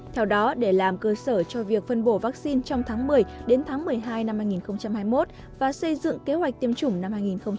theo đó để làm cơ sở cho việc phân bổ vaccine trong tháng một mươi đến tháng một mươi hai năm hai nghìn hai mươi một và xây dựng kế hoạch tiêm chủng năm hai nghìn hai mươi